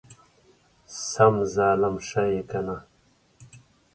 سم ظالم شې يې کنه!